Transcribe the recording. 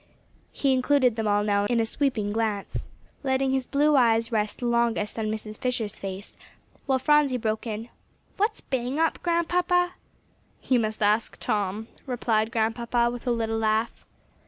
He included them all now in a sweeping glance, letting his blue eyes rest the longest on Mrs. Fisher's face; while Phronsie broke in, "What's bang up, Grandpapa?" "You must ask Tom," replied Grandpapa, with a little laugh.